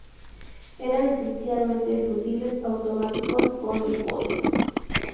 Eran esencialmente fusiles automáticos con bípode.